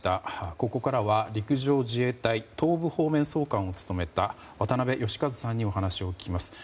ここからは陸上自衛隊東部方面総監を務めた渡部悦和さんにお話を聞きます。